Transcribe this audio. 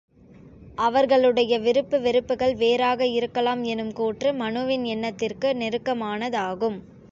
அவர்களுடைய விருப்பு வெறுப்புகள் வேறாக இருக்கலாம் எனும் கூற்று மனுவின் எண்ணத்திற்கு நெருக்கமானதாகும்.